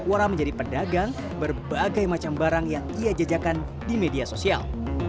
pura menjadi pedagang berbagai macam barang yang ia jajakan di media sosial